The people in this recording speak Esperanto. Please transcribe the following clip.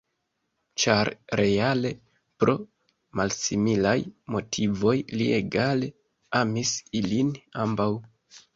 Ĉar reale, pro malsimilaj motivoj, li egale amis ilin ambaŭ.